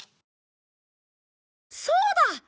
そうだ！